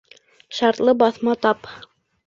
Шартлы баҫма таб.